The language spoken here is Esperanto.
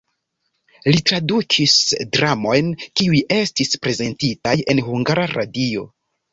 Li tradukis dramojn, kiuj estis prezentitaj en Hungara Radio.